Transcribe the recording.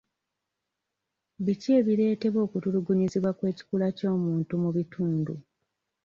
Biki ebireetera okutulugunyizibwa olw'ekikula ky'omuntu mu bitundu?